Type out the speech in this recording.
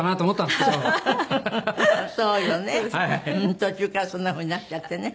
途中からそんな風になっちゃってね。